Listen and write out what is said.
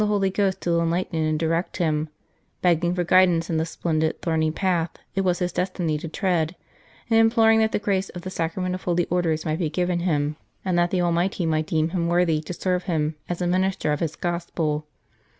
"Vatican Nights" him, begging for guidance in the splendid, thorny path it was his destiny to tread, and imploring that the grace of the Sacrament of Holy Orders might be given him, and that the Almighty might deem him worthy to serve Him as a Minister of His Gospel.